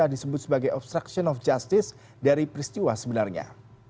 disebut sebagai obstruction of justice dari peristiwa sebenarnya